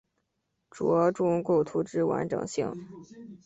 着重构图之完整性